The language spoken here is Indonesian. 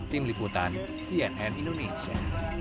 tim liputan cnn indonesia